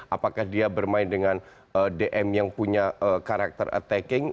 apakah dia bermain dengan dm yang punya karakter attacking